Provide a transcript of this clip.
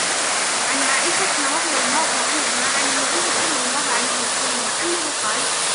عَنْ عَائِشَةَ رَضِيَ اللَّهُ عَنْهَا عَنْ النَّبِيِّ صَلَّى اللَّهُ عَلَيْهِ وَسَلَّمَ أَنَّهُ قَالَ